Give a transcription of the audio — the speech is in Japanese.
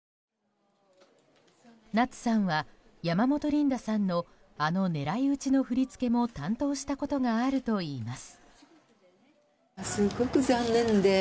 夏さんは山本リンダさんのあの「狙いうち」の振り付けも担当したことがあるといいます。